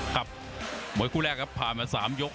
ครับมวยคู่แรกครับผ่านมา๓ยก